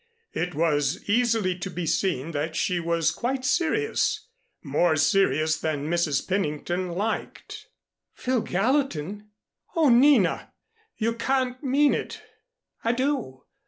It was easily to be seen that she was quite serious more serious than Mrs. Pennington liked. "Phil Gallatin! Oh, Nina, you can't mean it?" "I do.